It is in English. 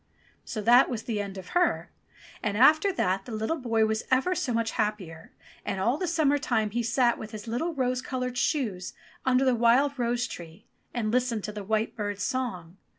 So that was an end of her. And after that the little boy was ever so much happier, and all the summer time he sate with his little rose coloured shoes under the wild rose tree and listened to the white bird's song.